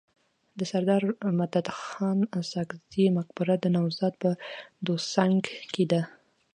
د سرداد مددخان ساکزي مقبره د نوزاد په دوسنګ کي ده.